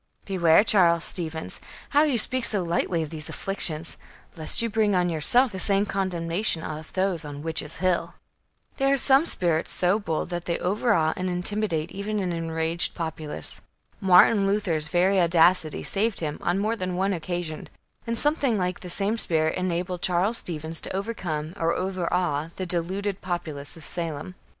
"Beware, Charles Stevens, how you speak so lightly of these afflictions, lest you bring on yourself the same condemnation of those on Witches' Hill." There are some spirits so bold, that they overawe and intimidate even an enraged populace. Martin Luther's very audacity saved him, on more than one occasion, and something like the same spirit enabled Charles Stevens to overcome or overawe the deluded populace of Salem.